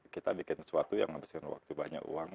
kita bikin sesuatu yang menghabiskan waktu banyak uang